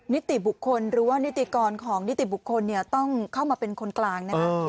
นิติบุคคลหรือว่านิติกรของนิติบุคคลต้องเข้ามาเป็นคนกลางนะฮะ